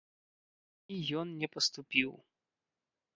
І ён не паступіў.